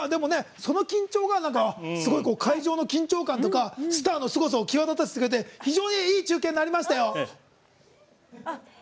その緊張がすごい会場の緊張感とかスターのすごさを際立たせてくれて非常に、いい中継になりましたよ。